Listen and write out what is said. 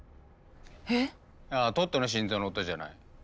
いやトットの心臓の音じゃない。